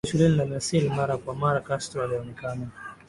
Akiwa shuleni La Salle mara kwa mara Castro alionekana